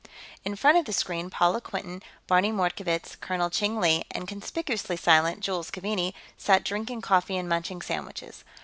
In front of the screen, Paula Quinton, Barney Mordkovitz, Colonel Cheng Li, and, conspicuously silent, Jules Keaveney sat drinking coffee and munching sandwiches.